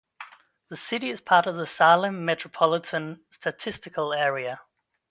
The city is part of the Salem Metropolitan Statistical Area.